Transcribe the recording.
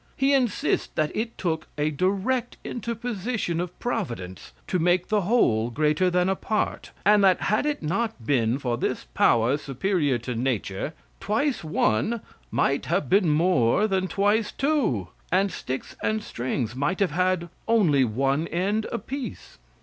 He insists that it took a direct interposition of providence to make the whole greater than a part, and that had it not been for this power superior to nature, twice one might have been more than twice two, and sticks and strings might have had only one end apiece.